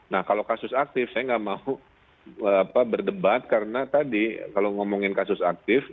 nah kalau kasus aktif saya nggak mau berdebat karena tadi kalau ngomongin kasus aktif